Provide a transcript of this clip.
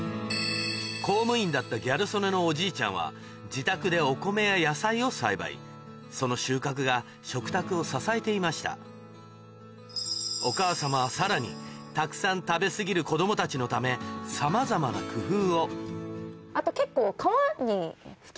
公務員だったギャル曽根のおじいちゃんは自宅でお米や野菜を栽培その収穫が食卓を支えていましたお母さまはさらにたくさん食べ過ぎる子供たちのためさまざまな工夫をあと結構。